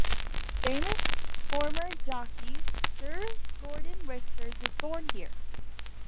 Famous former jockey, Sir Gordon Richards was born here.